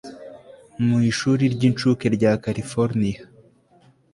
mu ishuri ry'incuke rya californiya